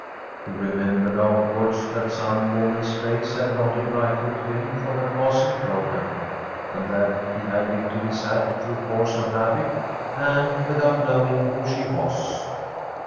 He remembered afterwards that some woman's face had nodded brightly to him from a passing brougham, and that he had lifted his hat through force of habit, and without knowing who she was.